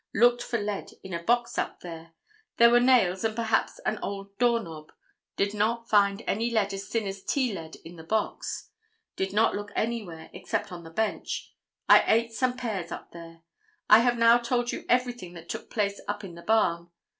Looked for lead in a box up there. There were nails and perhaps an old door knob. Did not find any lead as thin as tea lead in the box. Did not look anywhere except on the bench. I ate some pears up there. I have now told you everything that took place up in the barn.